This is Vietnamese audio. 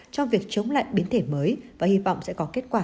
trong việc chống lại biến thể mới và hy vọng sẽ có kết quả